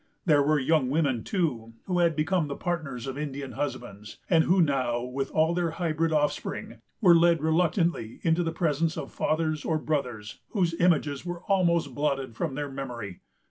There were young women, too, who had become the partners of Indian husbands; and who now, with all their hybrid offspring, were led reluctantly into the presence of fathers or brothers whose images were almost blotted from their memory.